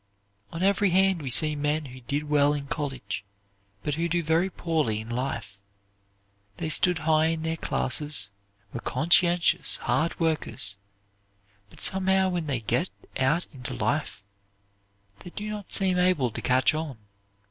On every hand we see men who did well in college, but who do very poorly in life. They stood high in their classes, were conscientious, hard workers, but somehow when they get out into life, they do not seem able to catch on.